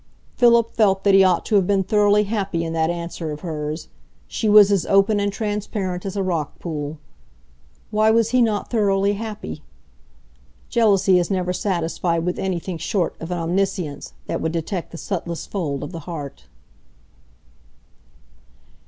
Philip felt that he ought to have been thoroughly happy in that answer of hers; she was as open and transparent as a rock pool. Why was he not thoroughly happy? Jealousy is never satisfied with anything short of an omniscience that would detect the subtlest fold of the heart.